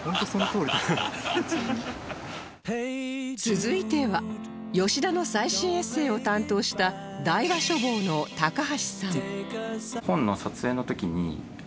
続いては吉田の最新エッセーを担当した大和書房の高橋さん